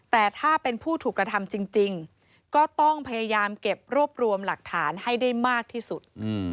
แต่ถ้าเป็นผู้ถูกกระทำจริงก็ต้องพยายามเก็บรวบรวมหลักฐานให้ได้มากที่สุด